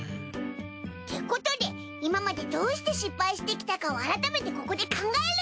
ってことで今までどうして失敗してきたかを改めてここで考えるにゅい！